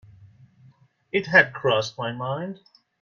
It had crossed my mind.